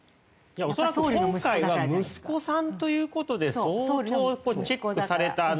恐らく今回は息子さんという事で相当チェックされたのがあると思うんですよ。